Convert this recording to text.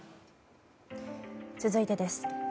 続いてです。